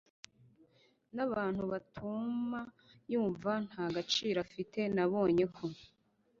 n abantu batuma yumva nta gaciro afite Nabonye ko